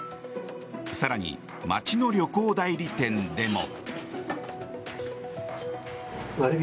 更に、街の旅行代理店でも。